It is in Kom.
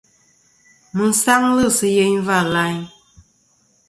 Mi sangli si yeyn va layn.